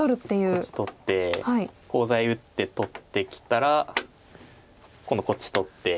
こっち取ってコウ材打って取ってきたら今度こっち取って。